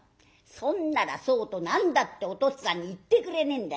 そんならそうと何だっておとっつぁんに言ってくれねえんだ。